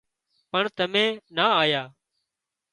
پڻ تمين نا آيان